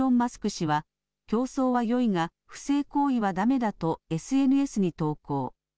氏は競争はよいが不正行為はだめだとＳＮＳに投稿。